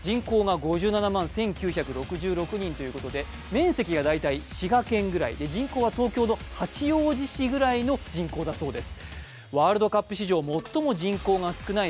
面積が大体滋賀県ぐらいで、人口は大体八王子市くらいだそうです。